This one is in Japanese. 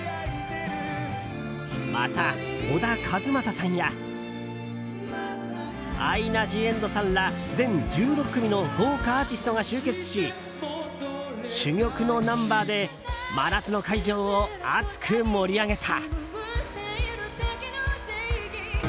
また、小田和正さんやアイナ・ジ・エンドさんら全１６組の豪華アーティストが集結し珠玉のナンバーで真夏の会場を熱く盛り上げた。